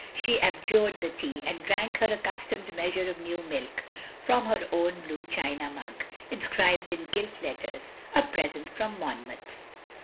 She abjured the tea, and drank her accustomed measure of new milk, from her own blue china mug, inscribed in gilt letters, "A present from Monmouth.